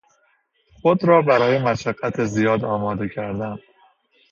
خود را برای مشقت زیاد آماده کردن